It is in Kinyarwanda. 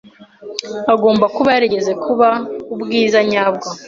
Agomba kuba yarigeze kuba ubwiza nyabwo.